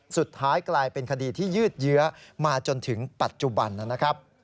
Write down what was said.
สุดท้ายกลายเป็นคดีที่ยืดเยื้อมาจนถึงปัจจุบันนะครับ